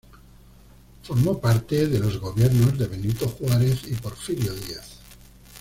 Formó parte de los gobiernos de Benito Juárez y Porfirio Díaz.